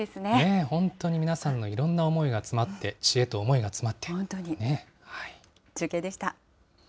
本当に皆さんのいろんな思いが詰まって、知恵と思いが詰まって。